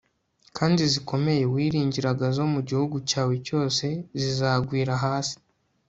kandi zikomeye wiringiraga zo mu gihugu cyawe cyose zizagwira hasi